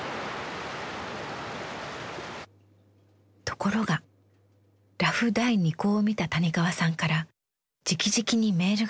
ところがラフ第２稿を見た谷川さんからじきじきにメールが届きました。